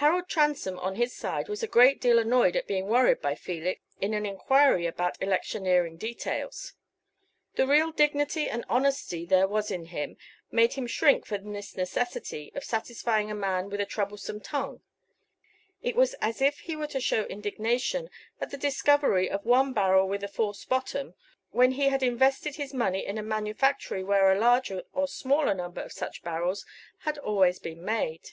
Harold Transome, on his side, was a great deal annoyed at being worried by Felix in an enquiry about electioneering details. The real dignity and honesty there was in him made him shrink from this necessity of satisfying a man with a troublesome tongue; it was as if he were to show indignation at the discovery of one barrel with a false bottom, when he had invested his money in a manufactory where a larger or smaller number of such barrels had always been made.